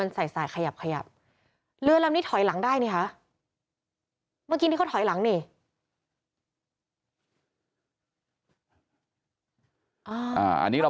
อันนี้เราไม่ได้ทำภาพถอยหลังนะฮะ